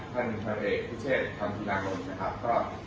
ท่านนักนามพิจีสชำพิทนาลงน้ำนะครับ